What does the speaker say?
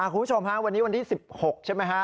คุณผู้ชมฮะวันนี้วันที่๑๖ใช่ไหมฮะ